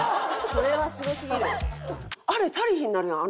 それはすごすぎる。